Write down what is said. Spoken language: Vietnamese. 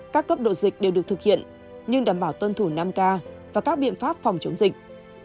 các cấp độ dịch đều được thực hiện nhưng đảm bảo tuân thủ năm k và các biện pháp phòng chống dịch